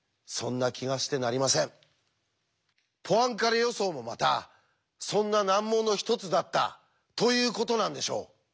ポアンカレ予想もまたそんな難問の一つだったということなんでしょう。